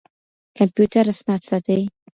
کمپيوټر اسناد ساتي.